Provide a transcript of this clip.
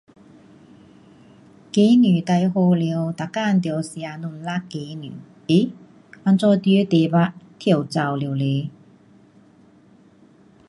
鸡蛋最好了，每天得吃两粒鸡蛋，诶，怎样你的题目跳走了嘞？